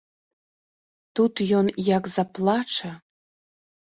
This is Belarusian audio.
Тут ён як заплача!